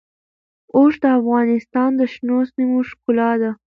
اوښ د افغانستان د شنو سیمو ښکلا ده.